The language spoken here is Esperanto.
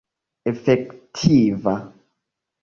efektiva